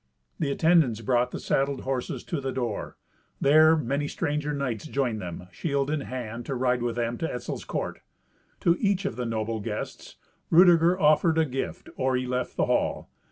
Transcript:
The attendants brought the saddled horses to the door. There many stranger knights joined them, shield in hand, to ride with them to Etzel's court. To each of the noble guests Rudeger offered a gift, or he left the hall.